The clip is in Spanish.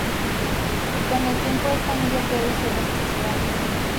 Con el tiempo este anillo pierde su elasticidad.